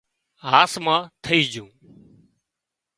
هاس مان ٿئي جھون